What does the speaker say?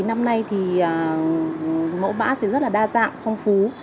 năm nay thì mẫu mã sẽ rất là đa dạng phong phú